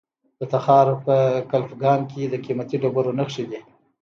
د تخار په کلفګان کې د قیمتي ډبرو نښې دي.